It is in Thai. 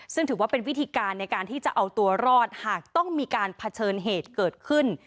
ซึ่งถือว่าเป็นวิธีการในการที่จะเอาตัวรอดหากต้องมีการเผชิญเหตุเกิดขึ้น